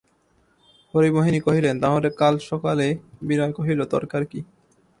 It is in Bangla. হরিমোহিনী কহিলেন, তা হলে কাল সকালে– বিনয় কহিল, দরকার কী?